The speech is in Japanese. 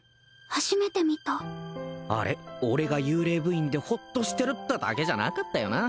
初めて見たあれ俺が幽霊部員でホッとしてるってだけじゃなかったよな